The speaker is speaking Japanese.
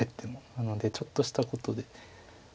なのでちょっとしたことで。